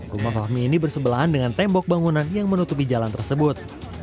rumah fahmi ini bersebelahan dengan tembok bangunan yang menutupi jalan tersebut